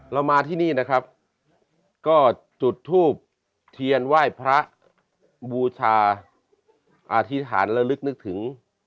เรามาที่นี่นะครับก็จุดทูบเทียนไหว้พระบูชาอธิษฐานและลึกนึกถึง